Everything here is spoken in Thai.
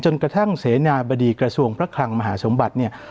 กระทั่งเสนาบดีกระทรวงพระคลังมหาสมบัติเนี่ย